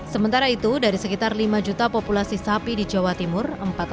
sementara itu dari sekitar lima juta populasi sapi di jawa timur